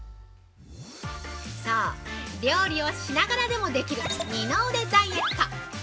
◆そう、料理をしながらでもできる二の腕ダイエット！